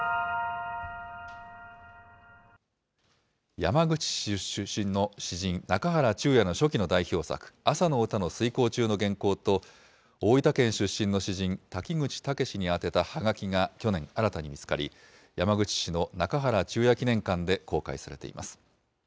山口市出身の詩人、中原中也の初期の代表作、朝の歌の推こう中の原稿と、大分県出身の詩人、瀧口武士に宛てたはがきが去年、新たに見つかり、山口市の中原中也記念館で公開されています。